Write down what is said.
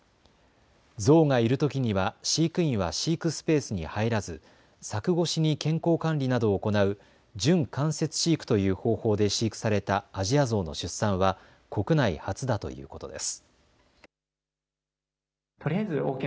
ゾウがいるときには飼育員は飼育スペースに入らず柵越しに健康管理などを行う準間接飼育という方法で飼育されたアジアゾウの出産は国内初だということです。